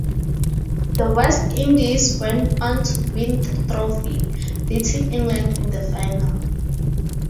The West Indies went on to win the trophy, beating England in the final.